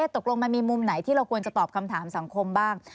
ตกลงมันมีมุมไหนที่เราควรจะตอบคำถามสังคมบ้าง